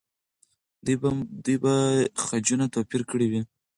دوی به خجونه توپیر کړي وي.